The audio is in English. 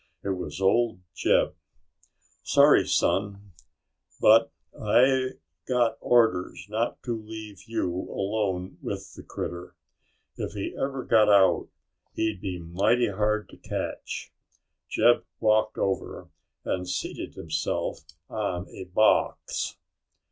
It was old Jeb. "Sorry, son, but I got orders not to leave you alone with the critter. If he ever got out he'd be mighty hard to catch." Jeb walked over and seated himself on a box.